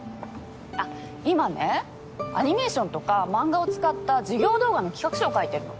あっ今ねアニメーションとか漫画を使った授業動画の企画書を書いてるの。